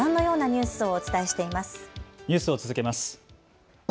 ニュースを続けます。